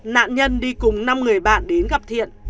nạn nhân đi cùng năm người bạn đến gặp thiện